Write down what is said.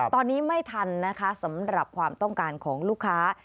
ตอนนี้ไม่ทันนะคะสำหรับความต้องการของลูกค้า